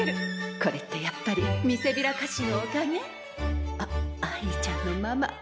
これってやっぱりみせびら菓子のおかげ？あっ愛梨ちゃんのママ。